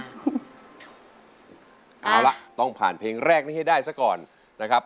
เอาละต้องผ่านเพลงแรกนี้ให้ได้ซะก่อนนะครับ